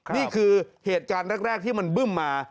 นี่คือเหตุการณ์แรกที่มันบึ้มมา